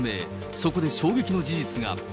そこで衝撃の事実が。